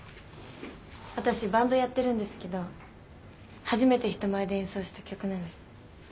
私バンドやってるんですけど初めて人前で演奏した曲なんです。